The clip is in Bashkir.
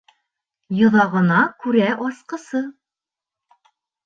Йоҙағына күрә асҡысы.